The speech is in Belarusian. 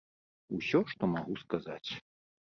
Усё, што магу сказаць.